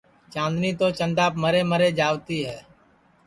چاندنی تو چنداپ مرے مرے جاوتی ہے